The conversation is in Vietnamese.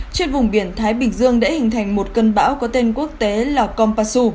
trên vùng biển thái bình dương đã hình thành một cơn bão có tên quốc tế là compasu